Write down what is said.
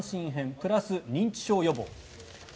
プラス、認知症予防。